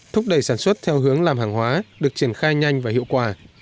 thúc đẩy sản xuất theo hướng làm hàng hóa được triển khai nhanh và hiệu quả